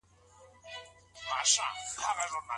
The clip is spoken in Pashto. آیا په دنيوي علومو کي هم فرضيت سته؟